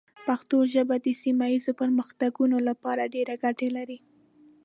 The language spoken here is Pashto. پښتو ژبه د سیمه ایزو پرمختګونو لپاره ډېرې ګټې لري.